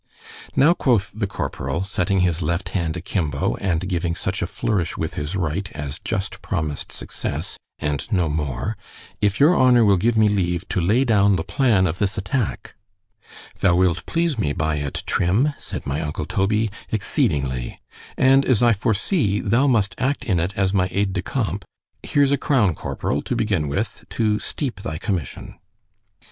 Now, quoth the corporal, setting his left hand a kimbo, and giving such a flourish with his right, as just promised success—and no more——if your honour will give me leave to lay down the plan of this attack—— ——Thou wilt please me by it, Trim, said my uncle Toby, exceedingly—and as I foresee thou must act in it as my aid de camp, here's a crown, corporal, to begin with, to steep thy commission.